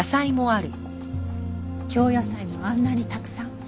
京野菜もあんなにたくさん。